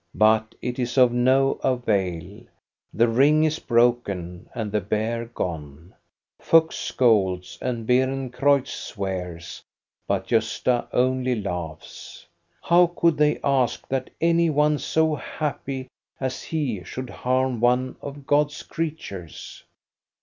But it is of no avail ; the ring is broken, and the bear gone. Fuchs scolds, and Beerencreutz swears, but Gosta only laughs. How could they ask that any one so happy as he should harm one of God's creatures?